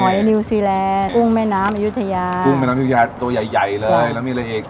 นิวซีแลนด์กุ้งแม่น้ำอายุทยากุ้งแม่น้ำยุธยาตัวใหญ่ใหญ่เลยแล้วมีอะไรอีก